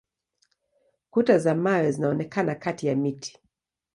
Kuta za mawe zinaonekana kati ya miti.